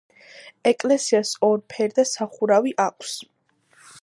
ეკლესიას ორფერდა სახურავი აქვს.